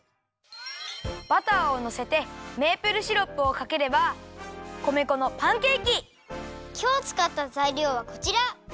バターをのせてメープルシロップをかければきょうつかったざいりょうはこちら。